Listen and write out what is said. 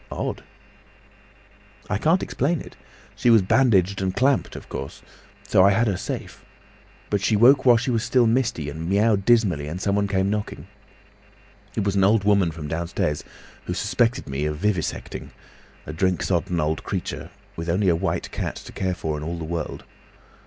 "Odd!" "I can't explain it. She was bandaged and clamped, of course—so I had her safe; but she woke while she was still misty, and miaowed dismally, and someone came knocking. It was an old woman from downstairs, who suspected me of vivisecting—a drink sodden old creature, with only a white cat to care for in all the world.